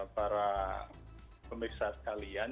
para pemirsa sekalian